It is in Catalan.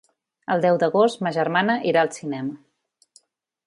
El deu d'agost ma germana irà al cinema.